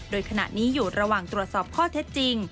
โดยขณะนี้อยู่ระหว่างตรวจสอบข้อเท็จจริง